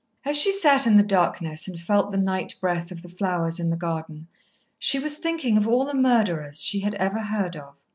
As she sat in the darkness and felt the night breath of the flowers in the garden, she was thinking of all the murderers she had ever heard of.